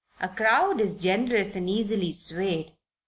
"A crowd is generous and easily swayed.